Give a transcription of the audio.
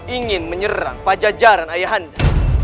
ingin menyerang pajajaran ayahanda